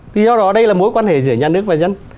thì do đó đây là mối quan hệ giữa nhà nước và dân